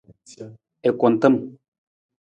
I kuntam.